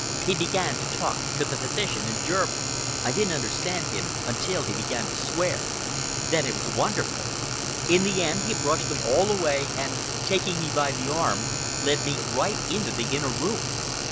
He began to talk to the physician in German. I didn't understand him until he began to swear,—then it was wonderful! In the end he brushed them all away and, taking me by the arm, led me right into the inner room.